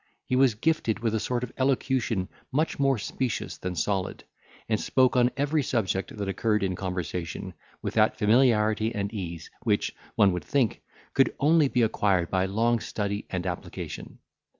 He was gifted with a sort of elocution, much more specious than solid, and spoke on every subject that occurred in conversation with that familiarity and ease, which, one would think, could only be acquired by long study and application.